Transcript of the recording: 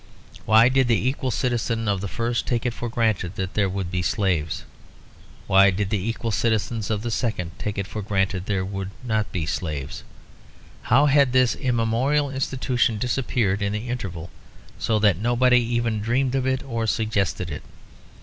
Why did the equal citizens of the first take it for granted that there would be slaves? Why did the equal citizens of the second take it for granted that there would not be slaves? How had this immemorial institution disappeared in the interval, so that nobody even dreamed of it or suggested it?